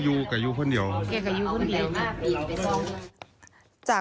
พ่อพูดว่าพ่อพูดว่าพ่อพูดว่า